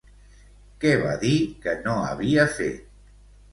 Què va dir que no havia fet?